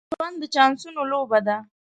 ژوند د چانسونو لوبه ده.